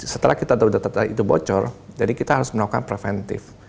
setelah kita tahu data data itu bocor jadi kita harus melakukan preventif